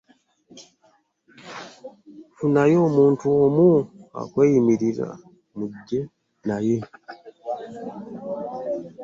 Funayo omuntu omu akweyimirira mujje naye.